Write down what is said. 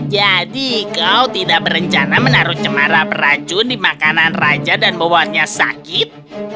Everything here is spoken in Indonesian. kau tidak berencana menaruh cemara beracun di makanan raja dan bewannya sakit